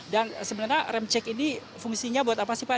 dan sebenarnya rem cek ini fungsinya buat apa sih pak